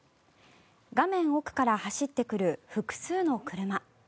画面奥から走ってくる複数の車。